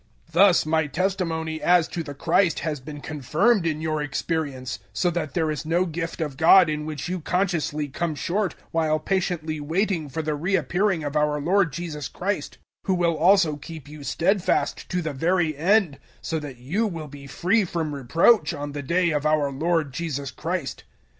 001:006 Thus my testimony as to the Christ has been confirmed in your experience, 001:007 so that there is no gift of God in which you consciously come short while patiently waiting for the reappearing of our Lord Jesus Christ, 001:008 who will also keep you stedfast to the very End, so that you will be free from reproach on the day of our Lord Jesus Christ.